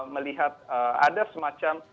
melihat ada semacam